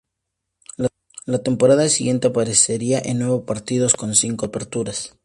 La temporada siguiente aparecería en nueve partidos, con cinco aperturas.